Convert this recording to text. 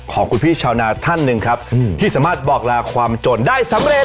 ของคุณพี่ชาวนาท่านหนึ่งครับที่สามารถบอกลาความจนได้สำเร็จ